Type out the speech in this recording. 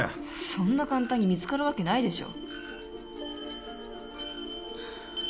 そんな簡単に見つかるわけないでしょ